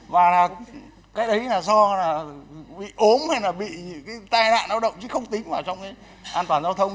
và là cái đấy là do là bị ốm hay là bị cái tai nạn lao động chứ không tính vào trong cái an toàn giao thông